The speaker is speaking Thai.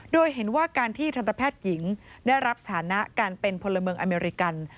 โดยเห็นว่าการที่ทันตแพทย์หญิงได้รับฐานะการเป็นพลเมืองอเมริกัน